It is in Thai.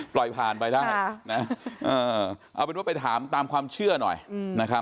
ปล่อยผ่านไปได้เอาเป็นว่าไปถามตามความเชื่อหน่อยนะครับ